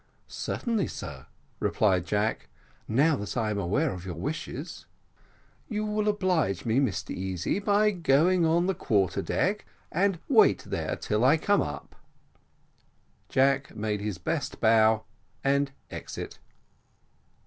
"Certainly, sir," replied Jack, "now that I am aware of your wishes." "You will oblige me, Mr Easy, by going on the quarter deck, and wait there till I come up." Jack made his best bow, and exit.